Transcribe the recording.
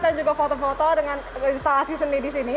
dan juga foto foto dengan instalasi seni di sini